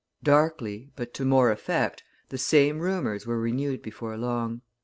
in Old Age 47] Darkly, but to more effect, the same rumors were renewed before long.